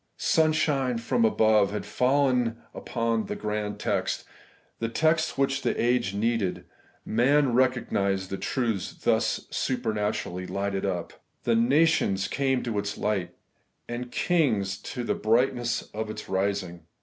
Sunshine from above had fallen upon one grand text ; the text which the age needed : men recognised the truth thus super naturally lighted up. 'The nations came to its light, and kings to the brightness of its rising.'